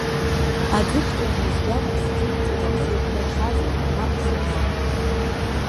Аӡыхь ҿамҩа згьама сзымҵаз, сеиқәнархазар, ма, исыԥсны?